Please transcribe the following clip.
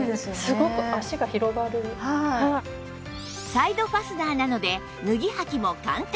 サイドファスナーなので脱ぎ履きも簡単！